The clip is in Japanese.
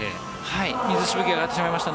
水しぶきが上がってしまいました